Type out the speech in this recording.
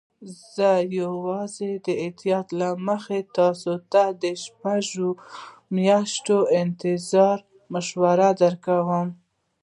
زه یوازې د احتیاط له مخې تاسي ته د شپږو میاشتو انتظار مشوره درکوم.